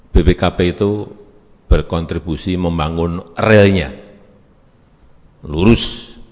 bpkp itu berkontribusi membangun relnya lurus